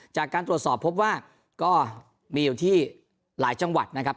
จากการตรวจสอบพบว่าก็มีอยู่ที่หลายจังหวัดนะครับ